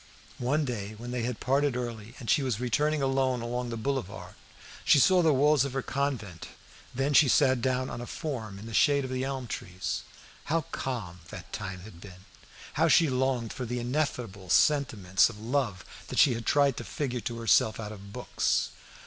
One day, when they had parted early and she was returning alone along the boulevard, she saw the walls of her convent; then she sat down on a form in the shade of the elm trees. How calm that time had been! How she longed for the ineffable sentiments of love that she had tried to figure to herself out of books!